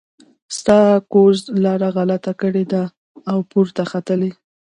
ستا ګوز لاره غلطه کړې ده او پورته ختلی.